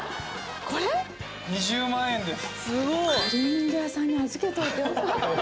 これ⁉２０万円です